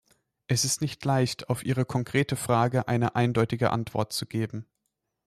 Es ist nicht leicht, auf Ihre konkretere Frage eine eindeutige Antwort zu geben.